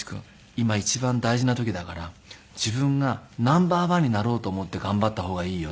今一番大事な時だから自分がナンバー１になろうと思って頑張った方がいいよ」